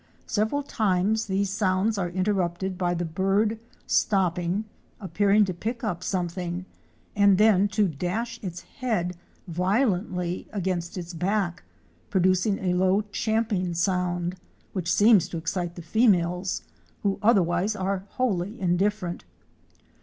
Several times these sounds are interrupted by the bird stopping, appearing to pick up something, and then to dash its head violently against its back, producing a low champing sound which scems to excite the females, who otherwise are wholly indifferent.